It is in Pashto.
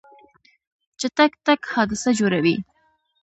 چټک تګ حادثه جوړوي.